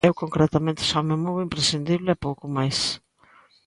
Eu concretamente só me movo o imprescindible e pouco máis.